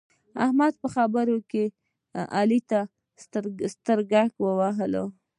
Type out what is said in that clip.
احمد په خبرو کې علي ته سترګه ووهله.